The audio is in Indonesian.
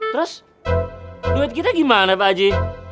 terus duit kita gimana pak haji